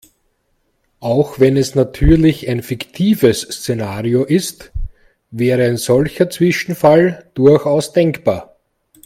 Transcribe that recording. Auch wenn es natürlich ein fiktives Szenario ist, wäre ein solcher Zwischenfall durchaus denkbar.